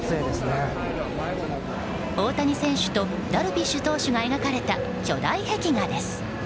大谷選手とダルビッシュ投手が描かれた巨大壁画です。